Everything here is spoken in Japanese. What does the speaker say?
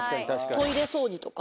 トイレ掃除とか？